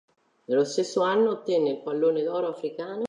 Nello stesso anno ottenne il Pallone d'oro africano.